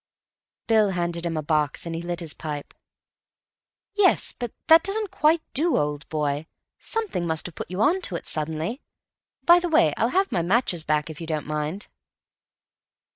Bill handed him a box, and he lit his pipe. "Yes, but that doesn't quite do, old boy. Something must have put you on to it suddenly. By the way, I'll have my matches back, if you don't mind."